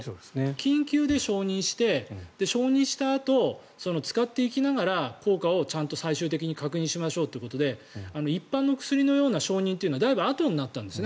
緊急で承認して承認したあと、使っていきながら効果をちゃんと最終的に確認しましょうということで一般の薬のような承認というのはだいぶあとになったんです。